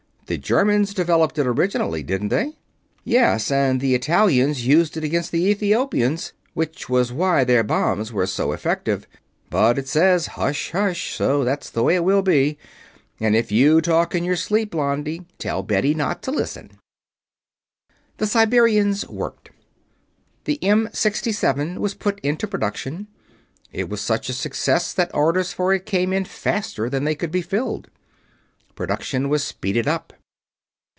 "The Germans developed it originally, didn't they?" "Yes, and the Italians used it against the Ethiopians which was why their bombs were so effective. But it says 'hush hush,' so that's the way it will be. And if you talk in your sleep, Blondie, tell Betty not to listen." The Siberians worked. The M67 was put into production. It was such a success that orders for it came in faster than they could be filled. Production was speeded up.